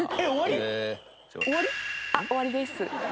あっ終わりです。